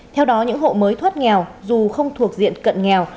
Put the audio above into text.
theo đó những hộ mới thoát nghèo dù không thuộc diện cận nghèo